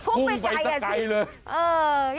พุ่งไปสักไกลเลย